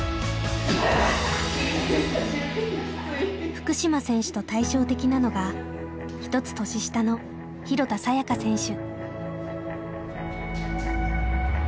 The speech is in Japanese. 福島選手と対照的なのが１つ年下の廣田彩花選手。